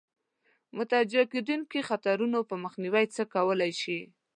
متوجه کېدونکو خطرونو په مخنیوي څه کولای شي.